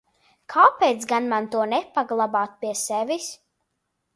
Kāpēc gan man to nepaglabāt pie sevis?